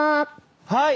はい！